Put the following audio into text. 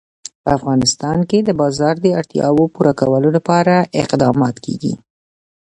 په افغانستان کې د باران د اړتیاوو پوره کولو لپاره اقدامات کېږي.